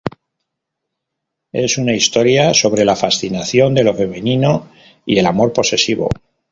Es una historia sobre la fascinación de lo femenino y el amor posesivo.